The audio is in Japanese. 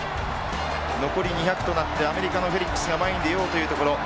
残り２００となってアメリカ、フェリックスが前に出ようというところ。